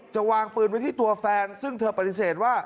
วางปืนไว้ที่ตัวแฟนซึ่งเธอปฏิเสธว่า